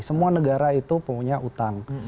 semua negara itu punya utang